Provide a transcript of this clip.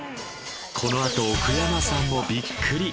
このあと奥山さんもビックリ！